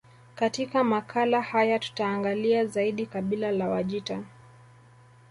Katika makala haya tutaangalia zaidi kabila la Wajita